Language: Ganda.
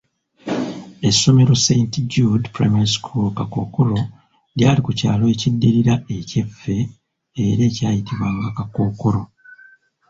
Essomero Saint Jude Primary School Kakookolo lyali ku kyalo ekiddirira ekyaffe era ekyayitibwanga Kakookolo.